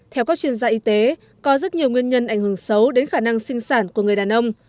theo các chuyên gia y tế có rất nhiều nguyên nhân ảnh hưởng xấu đến khả năng sinh sản của người đàn ông